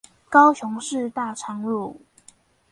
高雄市大昌路